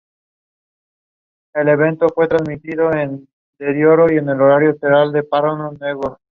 Se graduó de la Universidad de Columbia, donde fue aceptado para una admisión temprana.